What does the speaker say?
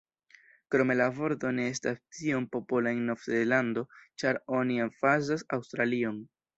Krome la vorto ne estas tiom popola en Novzelando ĉar oni emfazas Aŭstralion.